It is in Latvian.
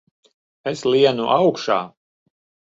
Es lienu augšā!